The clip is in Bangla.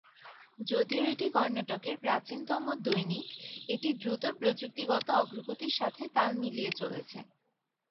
যদিও এটি কর্ণাটকের প্রাচীনতম দৈনিক, এটি দ্রুত প্রযুক্তিগত অগ্রগতির সাথে তাল মিলিয়ে চলেছে।